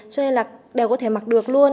cho nên là đều có thể mặc được luôn